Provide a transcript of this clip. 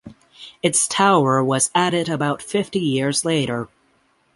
Its tower was added about fifty years later.